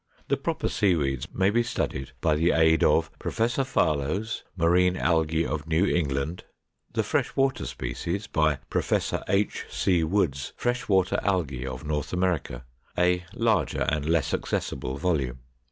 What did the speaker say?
= The proper Seaweeds may be studied by the aid of Professor Farlow's "Marine Algæ of New England;" the fresh water species, by Prof. H. C. Woods's "Fresh water Algæ of North America," a larger and less accessible volume.